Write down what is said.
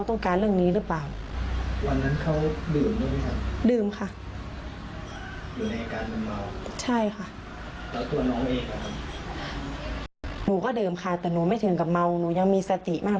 แต่หนูไม่ถึงกับเมาหนูยังมีสติมาก